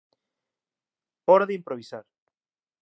Hora de improvisar.